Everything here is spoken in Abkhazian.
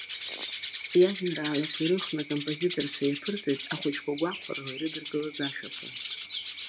Иажәеинраалақәа ирылхны акомпозиторцәа иаԥырҵеит ахәыҷқәа гәахәарыла ирыдыркылаз ашәақәа.